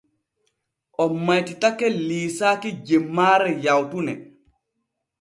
O maytitake liisaaki jemmaare yawtune.